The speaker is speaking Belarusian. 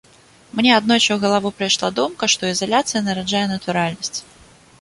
Мне аднойчы ў галаву прыйшла думка, што ізаляцыя нараджае натуральнасць.